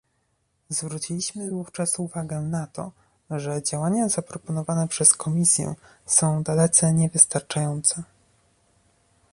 Zwróciliśmy wówczas uwagę na to, że działania zaproponowane przez Komisję są dalece niewystarczające